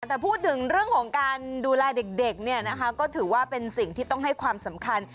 แต่พูดถึงเรื่องของการดูแลเด็กเนี่ยนะคะก็ถือว่าเป็นสิ่งที่ต้องให้ความสำคัญ